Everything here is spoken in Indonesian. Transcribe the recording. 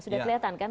sudah kelihatan kan